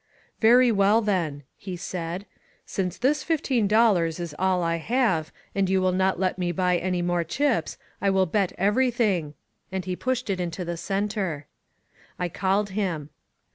"Very well, then," he said. "Since this fifteen dol lars is all I have, and you will not let me buy any more chips, I will bet everything," and he pushed it into the center. I called him.